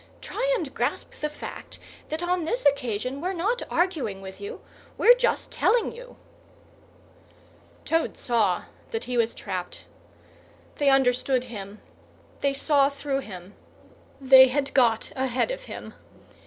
Try and grasp the fact that on this occasion we're not arguing with you; we're just telling you." Toad saw that he was trapped. They understood him, they saw through him, they had got ahead of him.